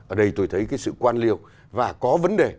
ở đây tôi thấy cái sự quan liệu và có vấn đề